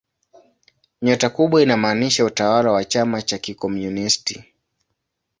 Nyota kubwa inamaanisha utawala wa chama cha kikomunisti.